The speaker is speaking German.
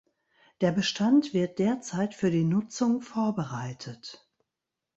Der Bestand wird derzeit für die Nutzung vorbereitet.